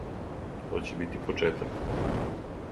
То ће бити почетак.